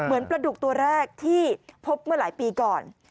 เหมือนประดุกตัวแรกที่พบเมื่อหลายปีก่อน